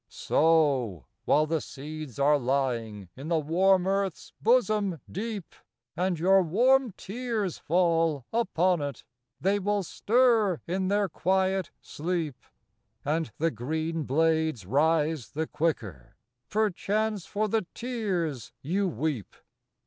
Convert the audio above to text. Sow ;— while the seeds are lying In the warm earth's bosom deep, And your warm tears fall upon it, — They will stir in their quiet sleep ; And the green blades rise the quicker, Perchance, for the tears you weep.